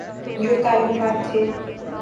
جو تعلقات تھے۔